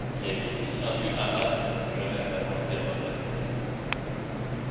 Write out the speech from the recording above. Les miliciens du Hamas n'y ont jamais vraiment été représenté.